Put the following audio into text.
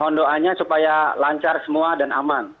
mohon doanya supaya lancar semua dan aman